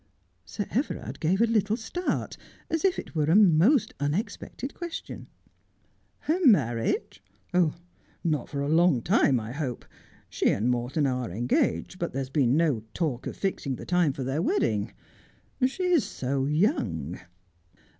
Sir Everard gave a little start, as if it were a most unexpected question. ' Her marriage ! Not for a long time, I hope. She and Morton are engaged, but there has been no talk of fixing the time for their wedding. She is so young.'